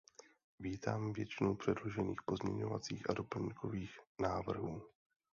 Vítám většinu předložených pozměňovacích a doplňkových návrhů.